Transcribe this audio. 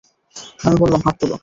আমি বললাম, হাত তোল।